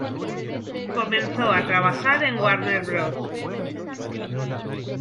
Comenzó a trabajar en Warner Bros.